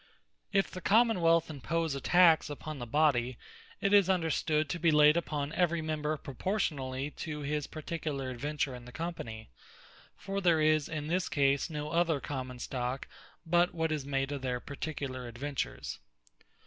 If the Common wealth impose a Tax upon the Body, it is understood to be layd upon every member proportionably to his particular adventure in the Company. For there is in this case no other common stock, but what is made of their particular adventures.